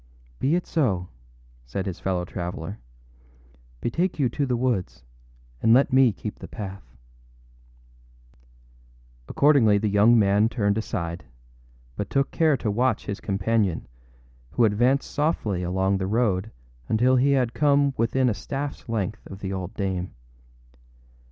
â âBe it so,â said his fellow traveller. âBetake you to the woods, and let me keep the path.â Accordingly the young man turned aside, but took care to watch his companion, who advanced softly along the road until he had come within a staffâs length of the old dame.